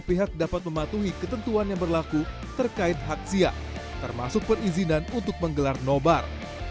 pihak dapat mematuhi ketentuan yang berlaku terkait hak zia termasuk perizinan untuk menggelar nobar